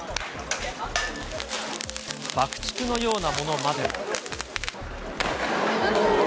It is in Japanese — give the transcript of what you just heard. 爆竹のようなものまでも。